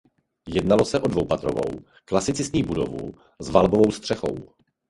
Jednalo se o dvoupatrovou klasicistní budovu s valbovou střechou.